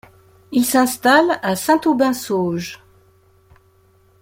Il s'installe à Saint-Aubin-Sauges.